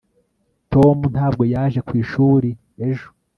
tom ntabwo yaje ku ishuri ejo